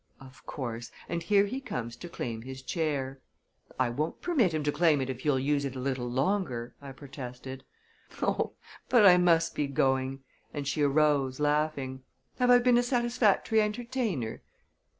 "Of course and here he comes to claim his chair." "I won't permit him to claim it if you'll use it a little longer," I protested. "Oh, but I must be going," and she arose, laughing. "Have I been a satisfactory entertainer?"